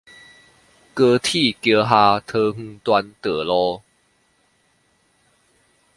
高鐵橋下桃園段道路